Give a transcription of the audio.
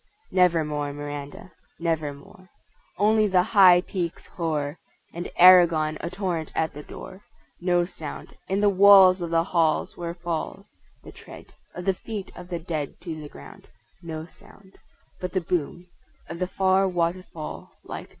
Never more; Miranda, Never more. Only the high peaks hoar; And Aragon a torrent at the door. No sound In the walls of the halls where falls The tread Of the feet of the dead to the ground, No sound: But the boom Of the far waterfall like doom.